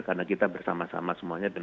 karena kita bersama sama suatu perjalanan